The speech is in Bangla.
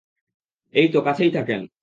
এইতো কাছেই থাকেন।